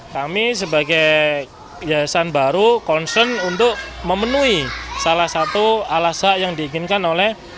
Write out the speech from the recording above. kami sebagai yayasan baru concern untuk memenuhi salah satu alasan yang diinginkan oleh